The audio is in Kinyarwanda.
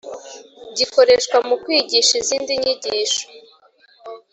gikoreshwa mu kwigisha izindi nyigisho